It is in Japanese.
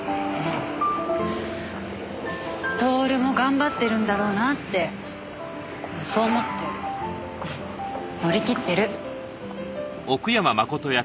享も頑張ってるんだろうなってそう思って乗り切ってる。